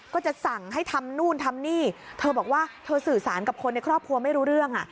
ก็จะสั่งให้ทำนู่นทำนี่เธอบอกว่าเธอสื่อสารกับคนในครอบครัวไม่รู้เรื่อง